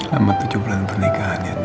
selamat tujuh bulan pernikahan ya nek